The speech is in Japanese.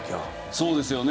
そうですよね。